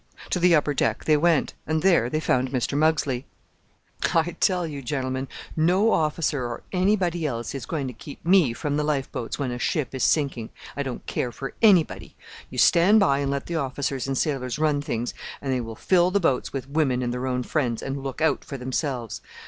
To the upper deck they went, and there they found Mr. Muggsley. "I tell you, gentlemen, no officer or anybody else is going to keep me from the life boats when a ship is sinking. I don't care for anybody! You stand by and let the officers and sailors run things and they will fill the boats with women and their own friends and look out for themselves.